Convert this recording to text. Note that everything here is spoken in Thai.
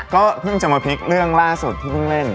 ก็เพิ่งจะมาพลิกเรื่องล่าสุดที่เพิ่งเล่น